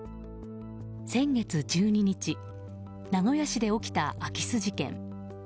先月１２日名古屋市で起きた空き巣事件。